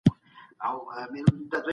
د معلوماتو د تبادلې د تګ لاري ته اړتیا ده.